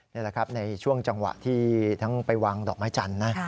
นี่แหละครับในช่วงจังหวะที่ทั้งไปวางดอกไม้จันทร์นะ